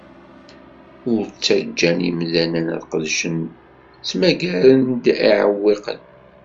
Ur ttaǧǧan imdanen ad qedcen. Ttmagaren-d iɛewwiqen.